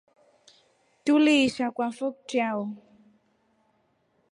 Tuliisha kwafo kitrau.